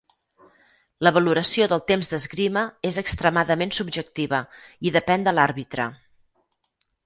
La valoració del "temps d'esgrima" és extremadament subjectiva i depèn de l'àrbitre.